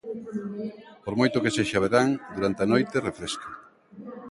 Por moito que sexa verán, durante a noite, refresca.